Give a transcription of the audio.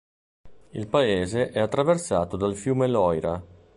Il paese è attraversato dal fiume Loira.